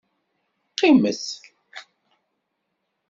Qqimet!